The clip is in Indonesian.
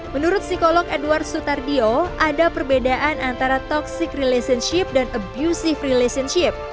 menurut psikolog edward sutardio ada perbedaan antara toxic relationship dan abusive relationship